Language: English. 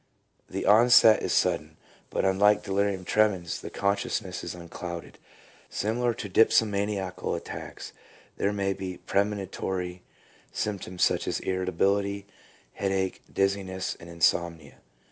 1 The onset is sudden, but unlike delirium tremens, the consciousness is unclouded. Similar to dipso maniacal attacks there may be premonitory symptoms such as irritability, headache, dizziness and insomnia.